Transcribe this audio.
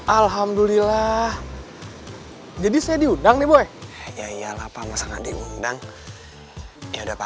alhamdulillah jadi saya diundang nih boy ya iyalah pak masa nggak diundang ya udah pak